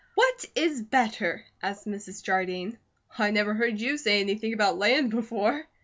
"What is better?" asked Mrs. Jardine. "I never heard you say anything about land before."